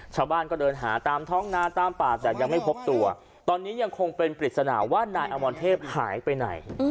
ชาวบ้านก็เดินหาตามท้องนาตามป่าแต่ยังไม่พบตัวตอนนี้ยังคงเป็นปริศนาว่านายอมรเทพหายไปไหน